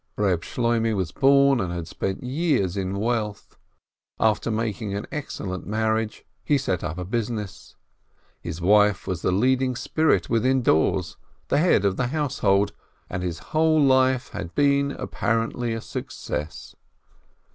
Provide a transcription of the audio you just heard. Reb Shloimeh was born, and had spent years, in wealth. After making an excellent marriage, he set up a business. His wife was the leading spirit within doors, the head of the household, and his whole life had been apparently a success.